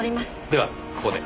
ではここで。